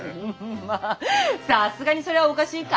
まあさすがにそれはおかしいか。